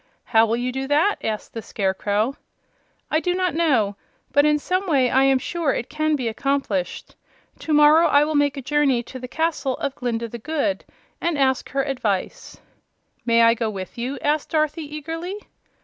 "How will you do that?" asked the Scarecrow. "I do not know; but in some way I am sure it can be accomplished. To morrow I will make a journey to the castle of Glinda the Good, and ask her advice." "May I go with you?" asked Dorothy, eagerly.